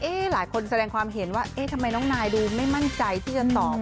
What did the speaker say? หลายคนแสดงความเห็นว่าเอ๊ะทำไมน้องนายดูไม่มั่นใจที่จะตอบ